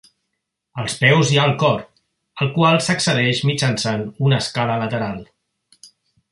Als peus hi ha el cor, al qual s'accedeix mitjançant una escala lateral.